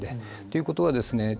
ということはですね